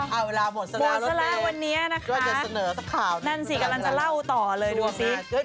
เอาอันดีวันนี้นะคะนั่นสิกำลังจะเล่าต่อเลยดูซิ